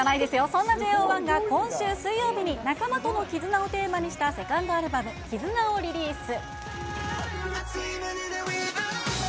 そんなＪＯ１が、今週水曜日に、仲間との絆をテーマにしたセカンドアルバム、キズナをリリース。